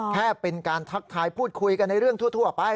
แค่เป็นการทักทายพูดคุยกันในเรื่องทั่วไป